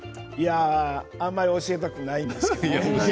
あんまり教えたくないんですけど。